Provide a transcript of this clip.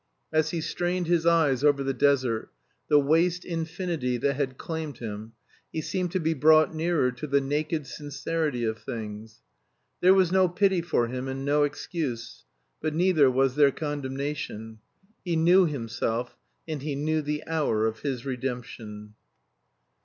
As he strained his eyes over the desert, the waste Infinity that had claimed him, he seemed to be brought nearer to the naked sincerity of things. There was no pity for him and no excuse; but neither was there condemnation. He knew himself, and he knew the hour of his redemption.